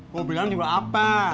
gue bilang di rumah apa